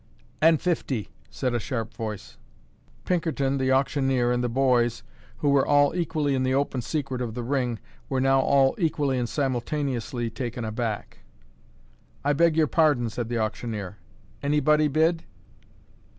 "And fifty," said a sharp voice. Pinkerton, the auctioneer, and the boys, who were all equally in the open secret of the ring, were now all equally and simultaneously taken aback. "I beg your pardon," said the auctioneer. "Anybody bid?"